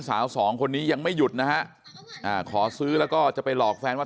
สาวสองคนนี้ยังไม่หยุดนะฮะอ่าขอซื้อแล้วก็จะไปหลอกแฟนว่า